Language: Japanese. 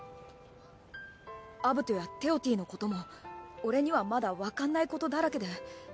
アブトやテオティのことも俺にはまだわかんないことだらけで。